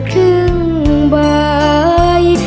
ครึ่งใบ